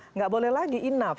enggak boleh lagi enough